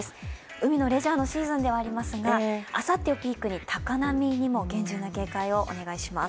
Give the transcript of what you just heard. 海のレジャーのシーズンではありますがあさってをピークに高波にも厳重な警戒をお願いします。